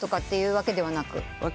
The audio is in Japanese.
わけではなく。